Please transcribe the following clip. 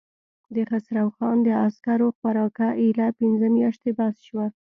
د خسرو خان د عسکرو خوراکه اېله پنځه مياشتې بس شوه.